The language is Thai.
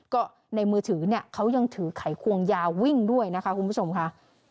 ก็ในมือถือเนี่ยเขายังถือไขควงยาวิ่งด้วยนะคะคุณผู้ชมค่ะ